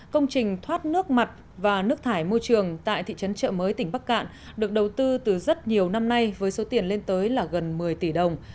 công trình thoát nước mặt và nước thải môi trường tại thị trấn trợ mới tỉnh bắc cạn được đầu tư từ rất nhiều năm nay với số tiền lên tới là gần một mươi tỷ đồng